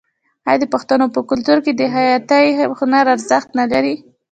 آیا د پښتنو په کلتور کې د خطاطۍ هنر ارزښت نلري؟